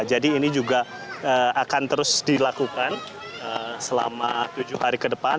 jadi ini juga akan terus dilakukan selama tujuh hari ke depan